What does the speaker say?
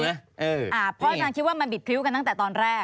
เพราะอาจารย์คิดว่ามันบิดพริ้วกันตั้งแต่ตอนแรก